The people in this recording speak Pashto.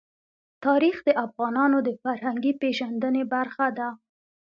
تاریخ د افغانانو د فرهنګي پیژندنې برخه ده.